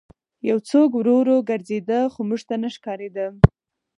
یو څوک ورو ورو ګرځېده خو موږ ته نه ښکارېده